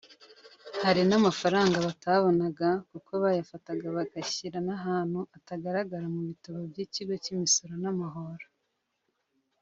Hari n’amafaranga batabonaga kuko bayafataga bakayashyira n’ahantu atagaragara mu bitabo by’Ikigo cy’Imisoro n’amahoro